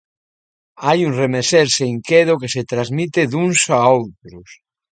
Hai un remexerse inquedo que se transmite duns a outros.